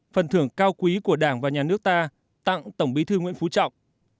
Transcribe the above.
phần thưởng cao quý của đảng và nhà nước ta tặng tổng bí thư nguyễn phú trọng